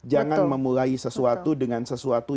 jangan memulai sesuatu dengan sesuatu